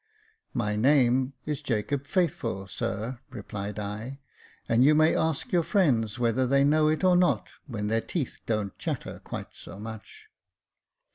" My name is Jacob Faithful, sir," replied I ;" and you 324 Jacob Faithful may ask your friends whether they know it or not when their teeth don't chatter quite so much."